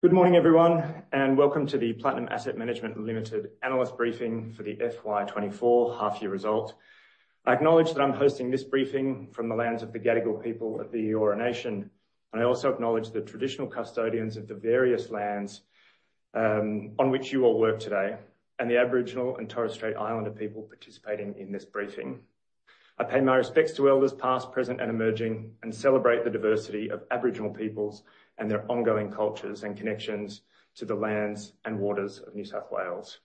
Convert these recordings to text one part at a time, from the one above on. Good morning, everyone, and welcome to the Platinum Asset Management Limited analyst briefing for the FY 2024 half year result. I acknowledge that I'm hosting this briefing from the lands of the Gadigal people of the Eora Nation, and I also acknowledge the traditional custodians of the various lands on which you all work today, and the Aboriginal and Torres Strait Islander people participating in this briefing. I pay my respects to elders past, present, and emerging, and celebrate the diversity of Aboriginal peoples and their ongoing cultures and connections to the lands and waters of New South Wales.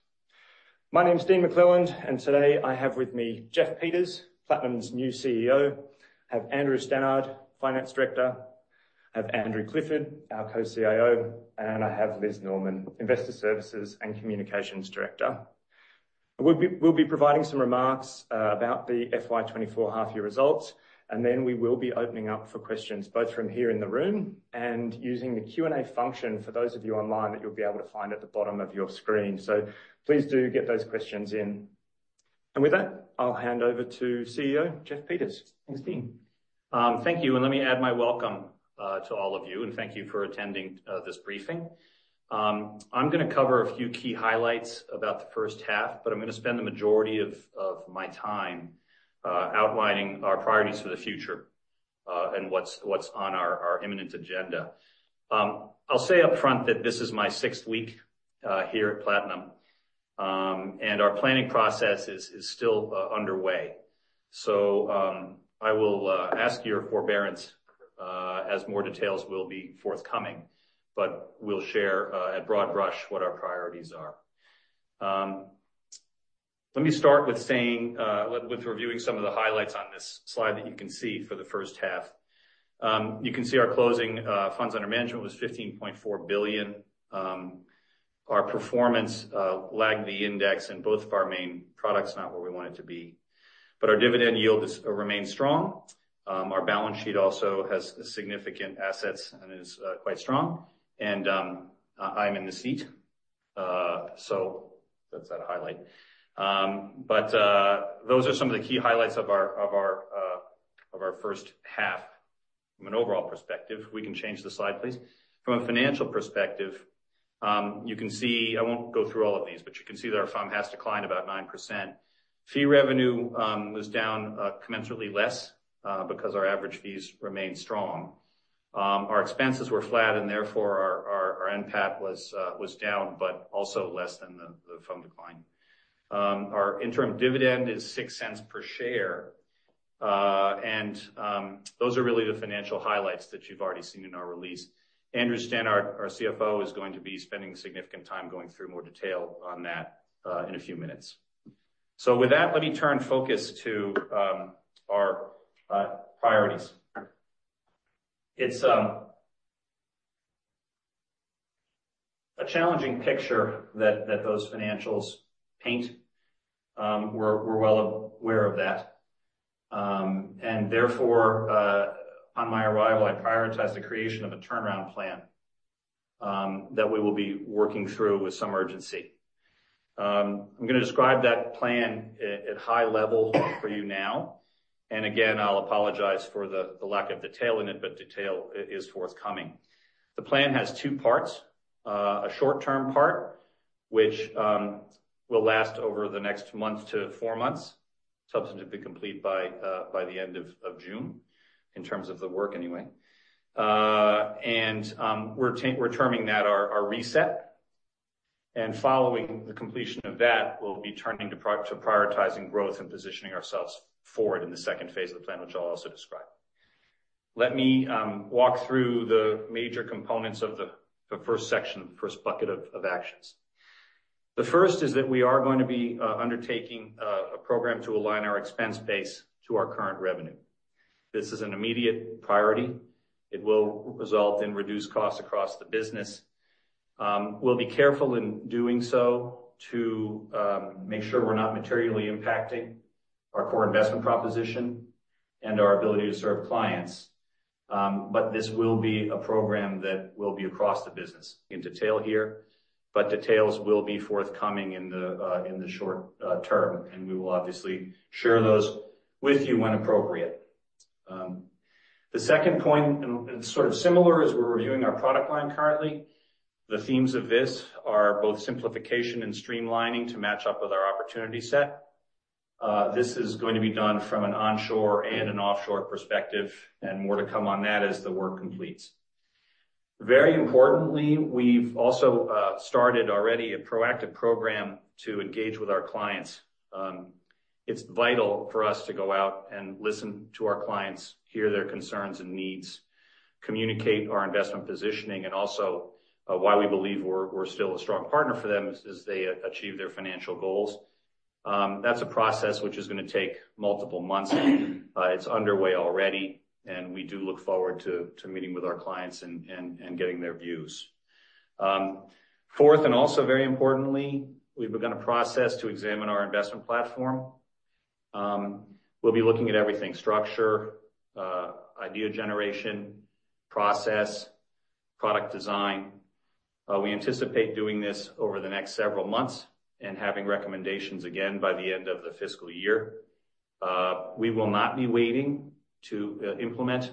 My name is Dean McLelland, and today I have with me Jeff Peters, Platinum's new CEO. I have Andrew Stannard, Finance Director. I have Andrew Clifford, our co-CIO, and I have Liz Norman, Investor Services and Communications Director. We'll be providing some remarks about the FY 2024 half year results, and then we will be opening up for questions, both from here in the room and using the Q&A function for those of you online, that you'll be able to find at the bottom of your screen. So please do get those questions in. And with that, I'll hand over to CEO Jeff Peters. Thanks, Dean. Thank you. And let me add my welcome to all of you, and thank you for attending this briefing. I'm gonna cover a few key highlights about the first half, but I'm going to spend the majority of my time outlining our priorities for the future, and what's on our imminent agenda. I'll say upfront that this is my sixth week here at Platinum, and our planning process is still underway. So, I will ask your forbearance as more details will be forthcoming, but we'll share at broad brush what our priorities are. Let me start with saying with reviewing some of the highlights on this slide that you can see for the first half. You can see our closing funds under management was 15.4 billion. Our performance lagged the index in both of our main products, not where we want it to be. But our dividend yield is, remains strong. Our balance sheet also has significant assets and is quite strong, and I'm in the seat, so that's at a highlight. But those are some of the key highlights of our first half. From an overall perspective, we can change the slide, please. From a financial perspective, you can see... I won't go through all of these, but you can see that our fund has declined about 9%. Fee revenue was down commensurately less because our average fees remained strong. Our expenses were flat, and therefore, our end NPAT was down, but also less than the fund decline. Our interim dividend is 0.06 per share. And those are really the financial highlights that you've already seen in our release. Andrew Stannard, our CFO, is going to be spending significant time going through more detail on that in a few minutes. So with that, let me turn focus to our priorities. It's a challenging picture that those financials paint. We're well aware of that. And therefore, on my arrival, I prioritized the creation of a turnaround plan that we will be working through with some urgency. I'm gonna describe that plan at high level for you now. And again, I'll apologize for the lack of detail in it, but detail is forthcoming. The plan has two parts: a short-term part, which will last over the next month to four months, substantively complete by the end of June, in terms of the work anyway. We're terming that our reset, and following the completion of that, we'll be turning to prioritizing growth and positioning ourselves forward in the second phase of the plan, which I'll also describe. Let me walk through the major components of the first section, first bucket of actions. The first is that we are going to be undertaking a program to align our expense base to our current revenue. This is an immediate priority. It will result in reduced costs across the business. We'll be careful in doing so to make sure we're not materially impacting our core investment proposition and our ability to serve clients. But this will be a program that will be across the business in detail here, but details will be forthcoming in the short term, and we will obviously share those with you when appropriate. The second point, and sort of similar, is we're reviewing our product line currently. The themes of this are both simplification and streamlining to match up with our opportunity set. This is going to be done from an onshore and an offshore perspective, and more to come on that as the work completes. Very importantly, we've also started already a proactive program to engage with our clients. It's vital for us to go out and listen to our clients, hear their concerns and needs, communicate our investment positioning, and also why we believe we're still a strong partner for them as they achieve their financial goals. That's a process which is gonna take multiple months, but it's underway already, and we do look forward to meeting with our clients and getting their views. Fourth, and also very importantly, we've begun a process to examine our investment platform. We'll be looking at everything, structure, idea generation, process, product design. We anticipate doing this over the next several months and having recommendations again by the end of the fiscal year. We will not be waiting to implement.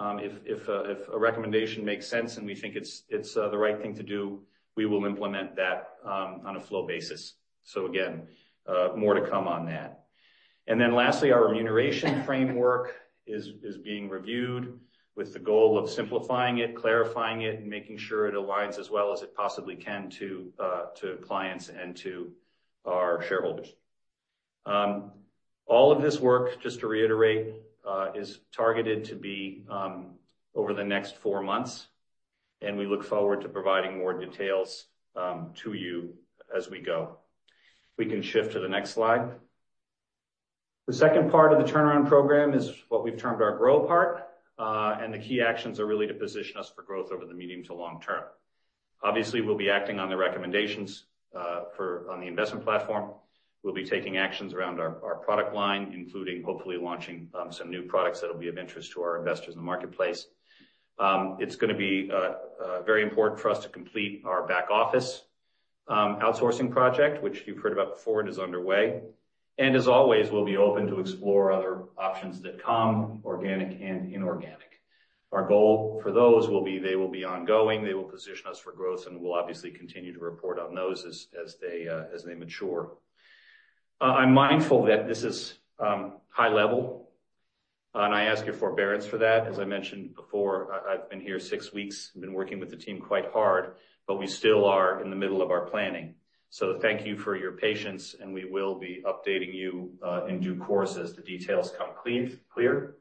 If a recommendation makes sense and we think it's the right thing to do, we will implement that on a flow basis. So again, more to come on that. And then lastly, our remuneration framework is being reviewed with the goal of simplifying it, clarifying it, and making sure it aligns as well as it possibly can to clients and to our shareholders. All of this work, just to reiterate, is targeted to be over the next four months, and we look forward to providing more details to you as we go. We can shift to the next slide. The second part of the turnaround program is what we've termed our grow part, and the key actions are really to position us for growth over the medium to long term. Obviously, we'll be acting on the recommendations on the investment platform. We'll be taking actions around our product line, including hopefully launching some new products that will be of interest to our investors in the marketplace. It's gonna be very important for us to complete our back office outsourcing project, which you've heard about before, it is underway. And as always, we'll be open to explore other options that come, organic and inorganic. Our goal for those will be, they will be ongoing, they will position us for growth, and we'll obviously continue to report on those as they mature. I'm mindful that this is high level, and I ask your forbearance for that. As I mentioned before, I've been here six weeks. I've been working with the team quite hard, but we still are in the middle of our planning. So thank you for your patience, and we will be updating you in due course as the details come clear.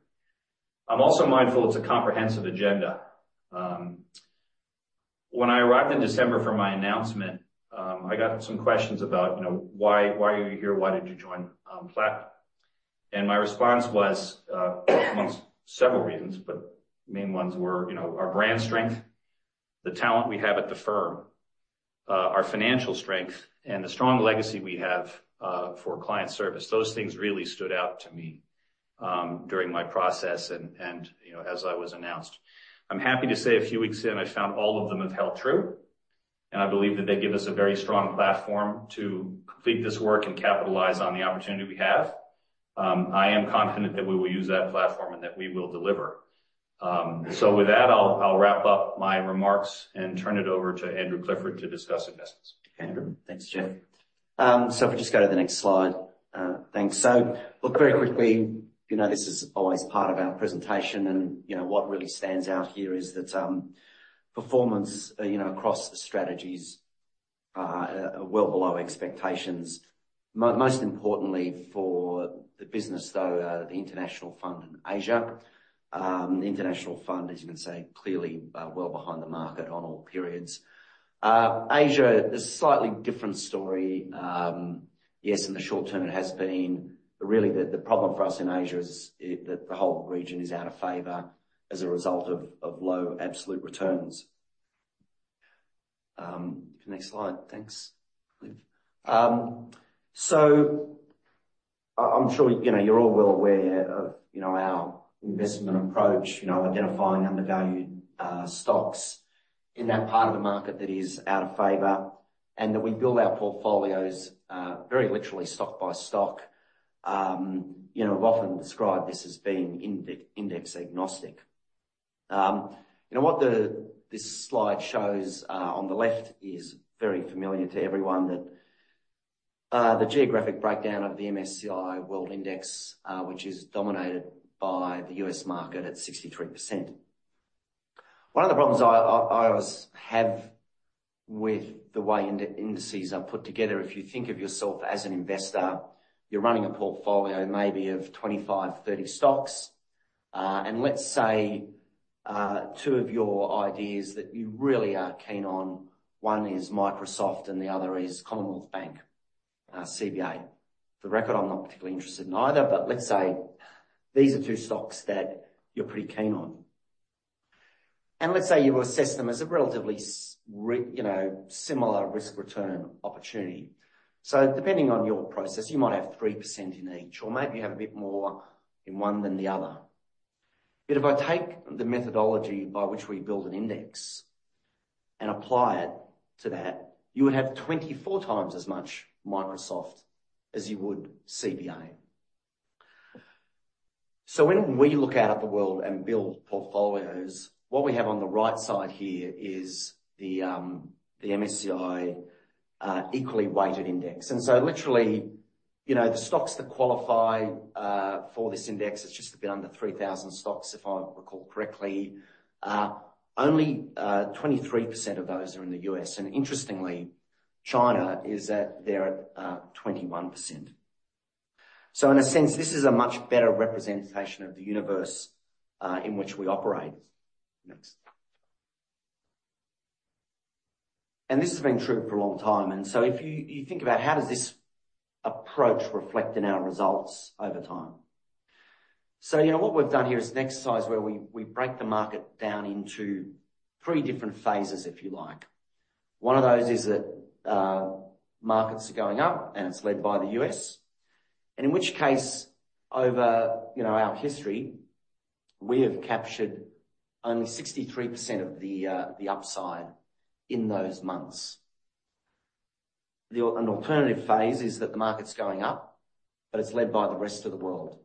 I'm also mindful it's a comprehensive agenda. When I arrived in December for my announcement, I got some questions about, you know, why, why are you here? Why did you join Plat? And my response was, amongst several reasons, but the main ones were, you know, our brand strength, the talent we have at the firm, our financial strength, and the strong legacy we have for client service. Those things really stood out to me during my process and, you know, as I was announced. I'm happy to say a few weeks in, I found all of them have held true, and I believe that they give us a very strong platform to complete this work and capitalize on the opportunity we have. I am confident that we will use that platform and that we will deliver. So with that, I'll wrap up my remarks and turn it over to Andrew Clifford to discuss investments. Andrew. Thanks, Jeff. So if we just go to the next slide. Thanks. So look, very quickly, you know, this is always part of our presentation, and, you know, what really stands out here is that, performance, you know, across the strategies are, well below expectations. Most importantly for the business, though, the International Fund in Asia. The International Fund, as you can see, clearly, well behind the market on all periods. Asia is a slightly different story. Yes, in the short term, it has been. But really, the problem for us in Asia is that the whole region is out of favor as a result of low absolute returns. Next slide. Thanks, Cliff. So I, I'm sure, you know, you're all well aware of, you know, our investment approach, you know, identifying undervalued, stocks in that part of the market that is out of favor, and that we build our portfolios, very literally stock by stock. You know, I've often described this as being index agnostic. And what this slide shows, on the left is very familiar to everyone, that, the geographic breakdown of the MSCI World Index, which is dominated by the U.S. market at 63%. One of the problems I always have with the way indices are put together, if you think of yourself as an investor, you're running a portfolio maybe of 25, 30 stocks. Let's say two of your ideas that you really are keen on, one is Microsoft, and the other is Commonwealth Bank, CBA. For the record, I'm not particularly interested in either, but let's say these are two stocks that you're pretty keen on. Let's say you assess them as a relatively similar risk-return opportunity, you know. So depending on your process, you might have 3% in each, or maybe you have a bit more in one than the other. But if I take the methodology by which we build an index and apply it to that, you would have 24 times as much Microsoft as you would CBA. So when we look out at the world and build portfolios, what we have on the right side here is the MSCI equally weighted index. And so literally, you know, the stocks that qualify for this index, it's just a bit under 3,000 stocks, if I recall correctly. Only 23% of those are in the U.S., and interestingly, China is at 21%. So in a sense, this is a much better representation of the universe in which we operate. Next. And this has been true for a long time, and so if you think about how does this approach reflect in our results over time? So, you know, what we've done here is an exercise where we break the market down into three different phases, if you like. One of those is that markets are going up, and it's led by the U.S., and in which case, over, you know, our history, we have captured only 63% of the upside in those months. An alternative phase is that the market's going up, but it's led by the rest of the world.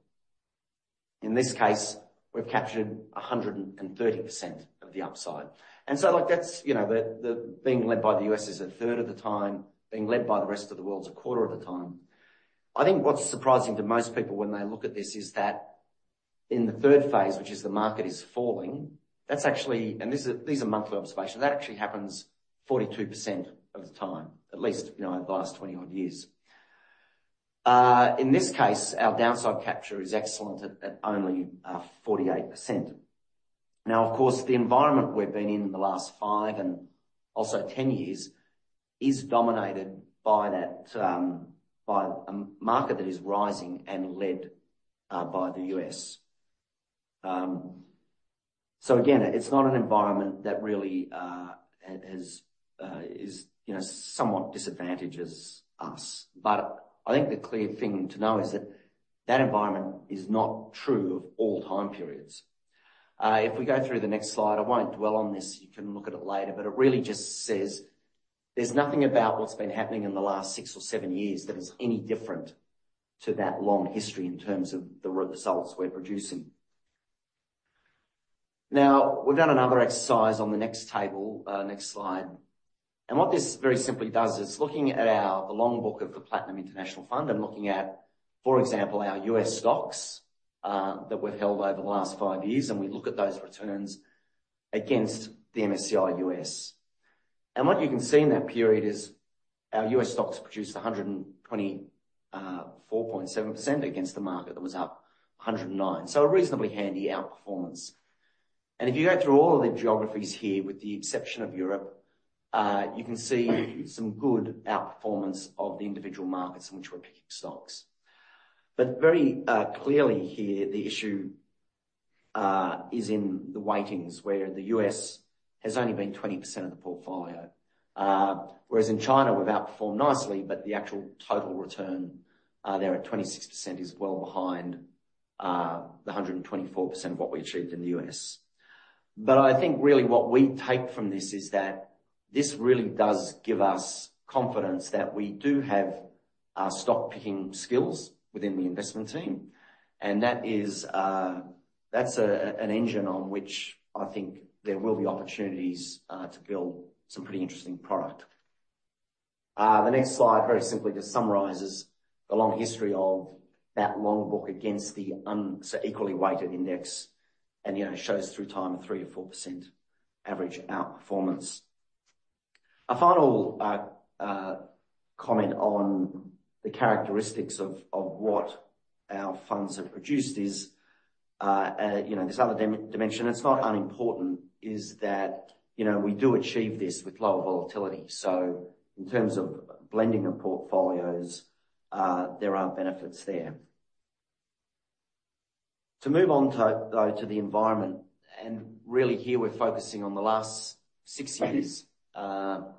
In this case, we've captured 130% of the upside. And so, like, that's, you know, the being led by the U.S. is a third of the time, being led by the rest of the world is a quarter of the time. I think what's surprising to most people when they look at this is that in the third phase, which is the market is falling, that's actually, and this is, these are monthly observations, that actually happens 42% of the time, at least, you know, in the last 20-odd years. In this case, our downside capture is excellent at, at only, 48%. Now, of course, the environment we've been in, in the last five and also 10 years is dominated by that, by a market that is rising and led, by the U.S. So again, it's not an environment that really, has, is, you know, somewhat disadvantages us. But I think the clear thing to know is that, that environment is not true of all time periods. If we go through the next slide, I won't dwell on this, you can look at it later, but it really just says there's nothing about what's been happening in the last six or seven years that is any different to that long history in terms of the results we're producing. Now, we've done another exercise on the next table, next slide, and what this very simply does is looking at the long book of the Platinum International Fund and looking at, for example, our U.S. stocks that we've held over the last five years, and we look at those returns against the MSCI U.S. And what you can see in that period is our U.S. stocks produced 124.7% against the market that was up 109%. So a reasonably handy outperformance. If you go through all of the geographies here, with the exception of Europe, you can see some good outperformance of the individual markets in which we're picking stocks. Very clearly here, the issue is in the weightings, where the U.S. has only been 20% of the portfolio. Whereas in China, we've outperformed nicely, but the actual total return there at 26% is well behind the 124% of what we achieved in the U.S. I think really what we take from this is that this really does give us confidence that we do have stock picking skills within the investment team, and that is that's an engine on which I think there will be opportunities to build some pretty interesting product. The next slide very simply just summarizes the long history of that long book against the equally weighted index, and, you know, shows through time a 3% or 4% average outperformance. A final comment on the characteristics of what our funds have produced is, you know, this other dimension, it's not unimportant, is that, you know, we do achieve this with lower volatility. So in terms of blending of portfolios, there are benefits there. To move on to, though, to the environment, and really here we're focusing on the last six years, and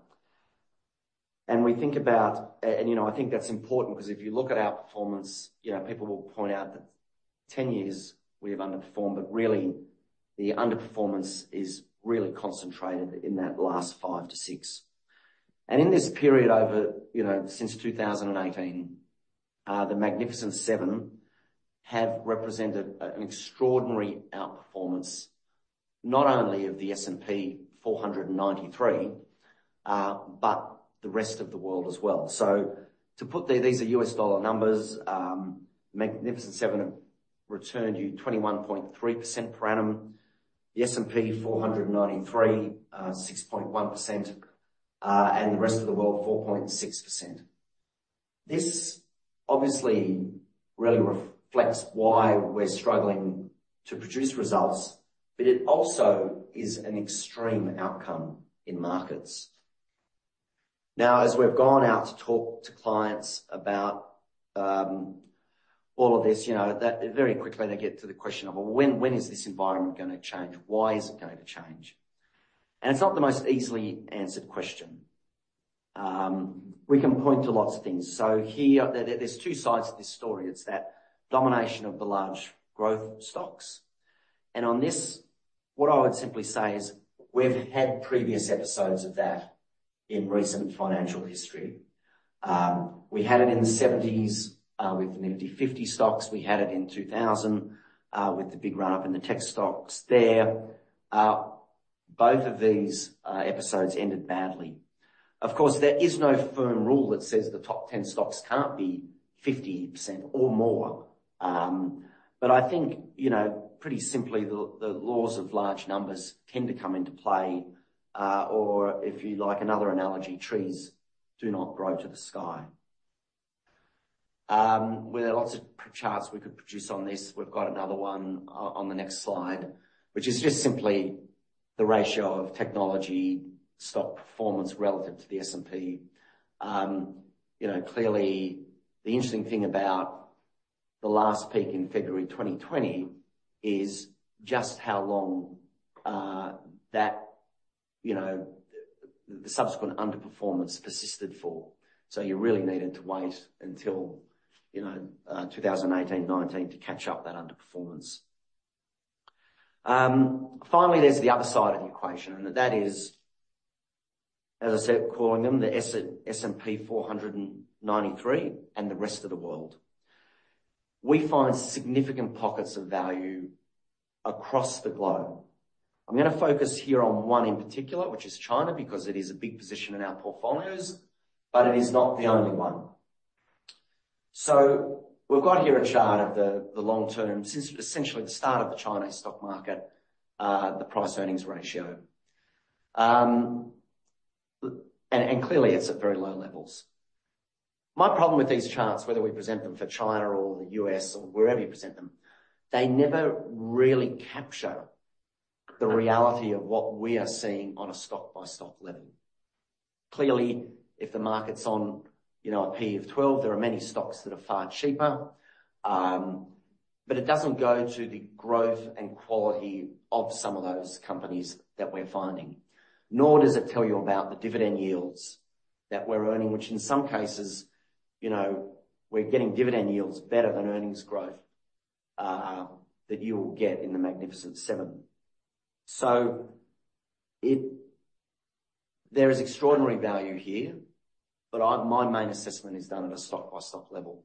we think about. You know, I think that's important because if you look at our performance, you know, people will point out that 10 years we have underperformed, but really, the underperformance is really concentrated in that last five to six. And in this period over, you know, since 2018, the Magnificent Seven have represented, an extraordinary outperformance, not only of the S&P 493, but the rest of the world as well. So to put the these are U.S. dollar numbers, Magnificent Seven have returned you 21.3% per annum, the S&P 493, 6.1%, and the rest of the world, 4.6%. This obviously really reflects why we're struggling to produce results, but it also is an extreme outcome in markets. Now, as we've gone out to talk to clients about, all of this, you know, that very quickly, they get to the question of: Well, when, when is this environment gonna change? Why is it going to change? And it's not the most easily answered question. We can point to lots of things. So here, there, there's two sides to this story. It's that domination of the large growth stocks. And on this, what I would simply say is, we've had previous episodes of that in recent financial history. We had it in the '70s, with Nifty Fifty stocks, we had it in 2000, with the big run-up in the tech stocks there. Both of these, episodes ended badly. Of course, there is no firm rule that says the top 10 stocks can't be 50% or more, but I think, you know, pretty simply, the, the laws of large numbers tend to come into play, or if you'd like another analogy, trees do not grow to the sky. There are lots of charts we could produce on this. We've got another one on the next slide, which is just simply the ratio of technology stock performance relative to the S&P. You know, clearly, the interesting thing about the last peak in February 2020 is just how long that, you know, the subsequent underperformance persisted for. So you really needed to wait until, you know, 2018, 2019, to catch up that underperformance. Finally, there's the other side of the equation, and that is, as I said, we're calling them the S&P 493 and the rest of the world. We find significant pockets of value across the globe. I'm gonna focus here on one in particular, which is China, because it is a big position in our portfolios, but it is not the only one. So we've got here a chart of the long term, since essentially the start of the Chinese stock market, the price-earnings ratio. And clearly, it's at very low levels. My problem with these charts, whether we present them for China or the U.S. or wherever you present them, they never really capture the reality of what we are seeing on a stock-by-stock level. Clearly, if the market's on, you know, a PE of 12, there are many stocks that are far cheaper. But it doesn't go to the growth and quality of some of those companies that we're finding, nor does it tell you about the dividend yields that we're earning, which in some cases, you know, we're getting dividend yields better than earnings growth that you will get in the Magnificent Seven. So there is extraordinary value here, but my main assessment is done at a stock-by-stock level.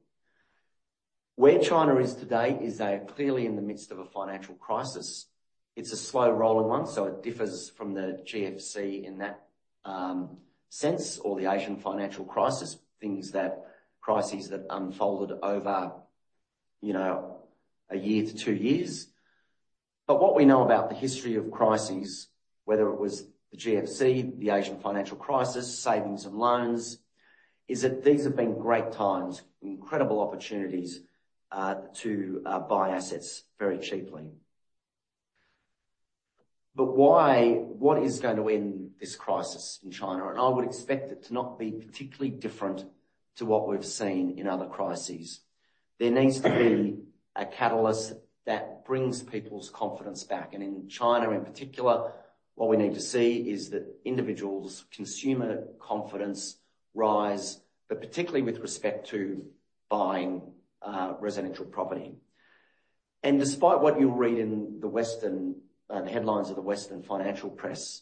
Where China is today is they're clearly in the midst of a financial crisis. It's a slow-rolling one, so it differs from the GFC in that sense or the Asian Financial Crisis, crises that unfolded over, you know, a year to two years. But what we know about the history of crises, whether it was the GFC, the Asian Financial Crisis, savings and loans, is that these have been great times, incredible opportunities to buy assets very cheaply. But what is going to end this crisis in China? And I would expect it to not be particularly different to what we've seen in other crises. There needs to be a catalyst that brings people's confidence back, and in China, in particular, what we need to see is that individuals' consumer confidence rise, but particularly with respect to buying residential property. And despite what you'll read in the Western headlines of the Western financial press,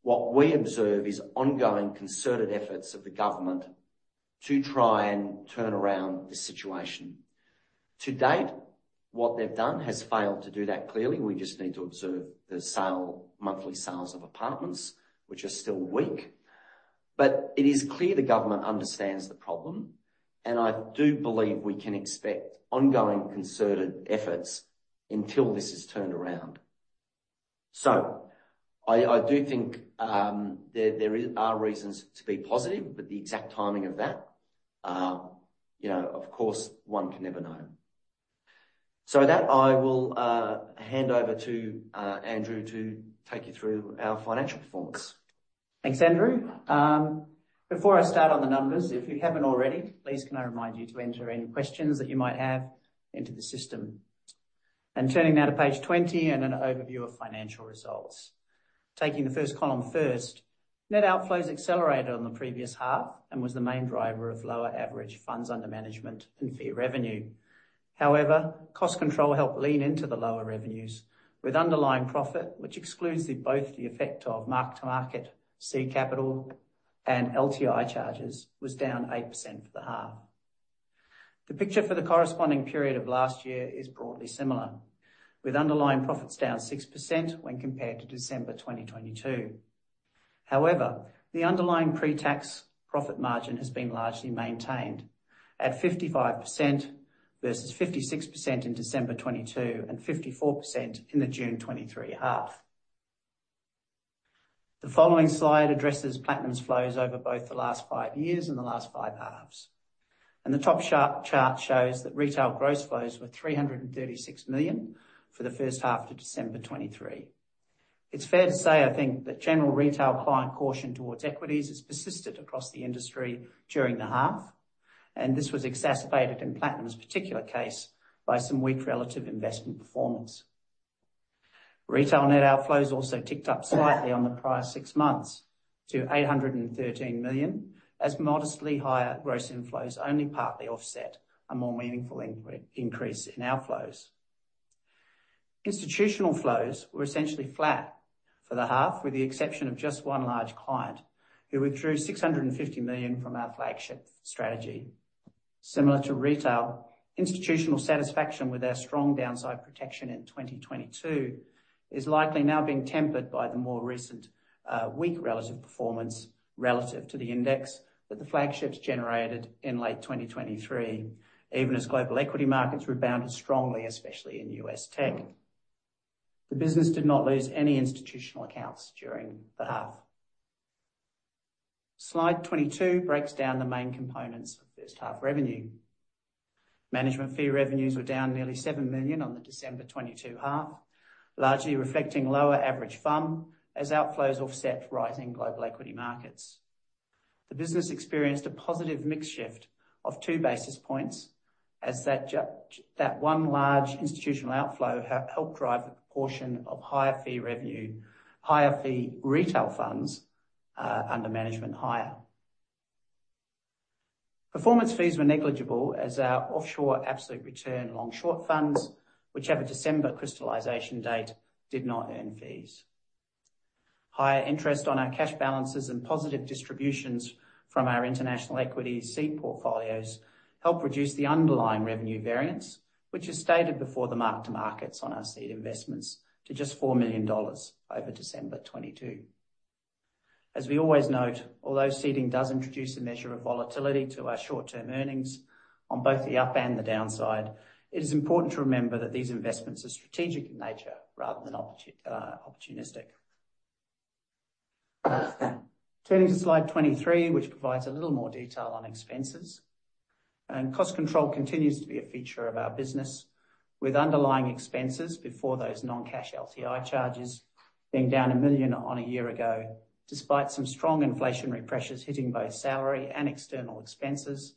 what we observe is ongoing, concerted efforts of the government to try and turn around the situation. To date, what they've done has failed to do that clearly. We just need to observe the monthly sales of apartments, which are still weak. But it is clear the government understands the problem, and I do believe we can expect ongoing, concerted efforts until this is turned around. So I do think there are reasons to be positive, but the exact timing of that, you know, of course, one can never know. With that, I will hand over to Andrew to take you through our financial performance. Thanks, Andrew. Before I start on the numbers, if you haven't already, please can I remind you to enter any questions that you might have into the system. Turning now to page 20 and an overview of financial results. Taking the first column first, net outflows accelerated on the previous half and was the main driver of lower average funds under management and fee revenue. However, cost control helped lean into the lower revenues, with underlying profit, which excludes both the effect of mark-to-market seed capital and LTI charges, was down 8% for the half. The picture for the corresponding period of last year is broadly similar, with underlying profits down 6% when compared to December 2022. However, the underlying pre-tax profit margin has been largely maintained at 55% versus 56% in December 2022 and 54% in the June 2023 half. The following slide addresses Platinum's flows over both the last five years and the last five halves, and the top chart shows that retail gross flows were 336 million for the first half to December 2023. It's fair to say, I think, that general retail client caution towards equities has persisted across the industry during the half, and this was exacerbated in Platinum's particular case by some weak relative investment performance. Retail net outflows also ticked up slightly on the prior six months to 813 million, as modestly higher gross inflows only partly offset a more meaningful increase in outflows. Institutional flows were essentially flat for the half, with the exception of just one large client, who withdrew 650 million from our flagship strategy. Similar to retail, institutional satisfaction with our strong downside protection in 2022 is likely now being tempered by the more recent, weak relative performance relative to the index that the flagships generated in late 2023, even as global equity markets rebounded strongly, especially in U.S. tech. The business did not lose any institutional accounts during the half. Slide 22 breaks down the main components of first half revenue. Management fee revenues were down nearly 7 million on the December 2022 half, largely reflecting lower average FUM as outflows offset rising global equity markets. The business experienced a positive mix shift of two basis points as that one large institutional outflow helped drive the proportion of higher fee revenue, higher fee retail funds under management higher. Performance fees were negligible as our offshore absolute return long-short funds, which have a December crystallization date, did not earn fees. Higher interest on our cash balances and positive distributions from our international equity seed portfolios helped reduce the underlying revenue variance, which is stated before the mark-to-markets on our seed investments to just 4 million dollars over December 2022. As we always note, although seeding does introduce a measure of volatility to our short-term earnings on both the up and the downside, it is important to remember that these investments are strategic in nature rather than opportu--, opportunistic. Turning to slide 23, which provides a little more detail on expenses, and cost control continues to be a feature of our business, with underlying expenses before those non-cash LTI charges being down 1 million on a year ago, despite some strong inflationary pressures hitting both salary and external expenses,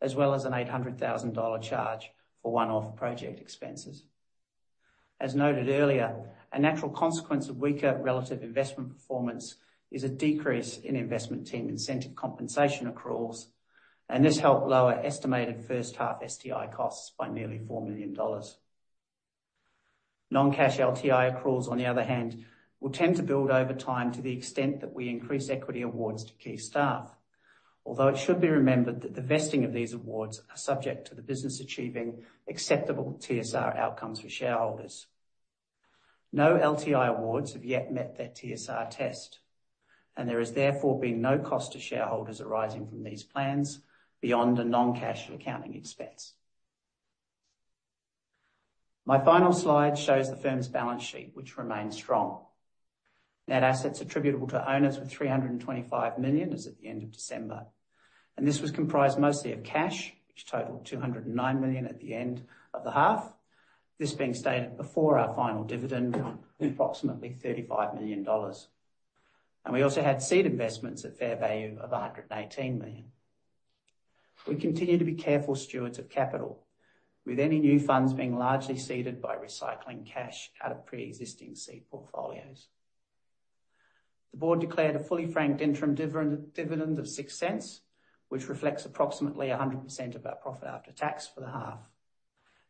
as well as an 800,000 dollar charge for one-off project expenses. As noted earlier, a natural consequence of weaker relative investment performance is a decrease in investment team incentive compensation accruals, and this helped lower estimated first half STI costs by nearly 4 million dollars. Non-cash LTI accruals, on the other hand, will tend to build over time to the extent that we increase equity awards to key staff. Although it should be remembered that the vesting of these awards are subject to the business achieving acceptable TSR outcomes for shareholders. No LTI awards have yet met that TSR test, and there has therefore been no cost to shareholders arising from these plans beyond a non-cash accounting expense. My final slide shows the firm's balance sheet, which remains strong. Net assets attributable to owners were 325 million as at the end of December, and this was comprised mostly of cash, which totaled 209 million at the end of the half, this being stated before our final dividend, approximately 35 million dollars. And we also had seed investments at fair value of 118 million. We continue to be careful stewards of capital, with any new funds being largely seeded by recycling cash out of pre-existing seed portfolios. The board declared a fully franked interim dividend of 0.06, which reflects approximately 100% of our profit after tax for the half,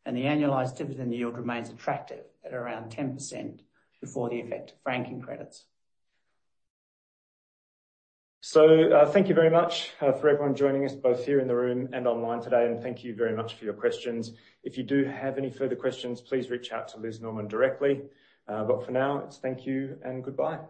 and the annualized dividend yield remains attractive at around 10% before the effect of franking credits. Thank you very much for everyone joining us, both here in the room and online today, and thank you very much for your questions. If you do have any further questions, please reach out to Liz Norman directly. But for now, it's thank you and goodbye.